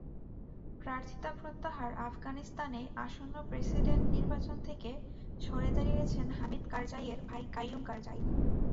প্রার্থিতা প্রত্যাহারআফগানিস্তানে আসন্ন প্রেসিডেন্ট নির্বাচন থেকে সরে দাঁড়িয়েছেন হামিদ কারজাইয়ের ভাই কাইয়ুম কারজাই।